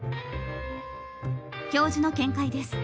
教授の見解です。